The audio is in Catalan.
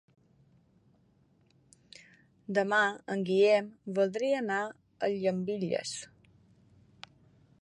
Demà en Guillem voldria anar a Llambilles.